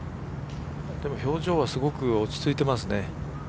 でも表情はすごく落ち着いてますね。